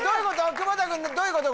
久保田君どういうこと？